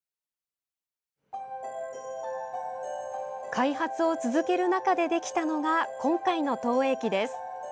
開発を続ける中でできたのが、今回の投影機です。